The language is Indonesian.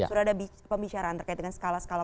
sudah ada pembicaraan terkait dengan skala skala